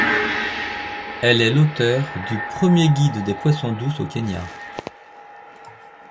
Elle est l'auteure du premier guide des poissons d'eau douce au Kenya.